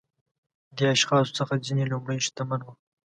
دې اشخاصو څخه ځینې لومړيو شتمن وو.